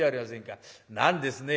何ですね